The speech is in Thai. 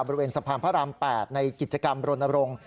บริเวณสะพานพระราม๘ในกิจกรรมรณรงค์